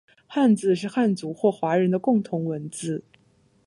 汉字是汉族或华人的共同文字